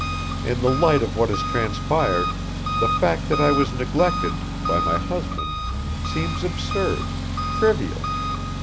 In the light of what has transpired, the fact that I was neglected by my husband seems absurd trivial.